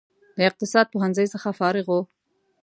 د اقتصاد پوهنځي څخه فارغ و.